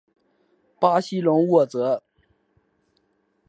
巴西隆沃泽。